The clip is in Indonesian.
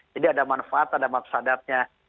jadi ada manfaat ada maksadatnya